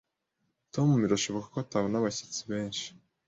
Tom birashoboka ko atabona abashyitsi benshi.